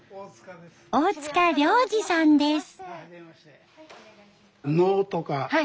大塚亮治さんです。